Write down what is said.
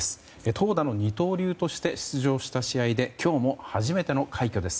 投打の二刀流として出場した試合で今日も初めての快挙です。